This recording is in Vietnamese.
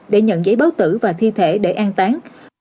để nhận giấy báo tử và thi thể để an tán